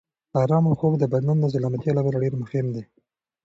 ارامه خوب د بدن د سلامتیا لپاره ډېر مهم دی.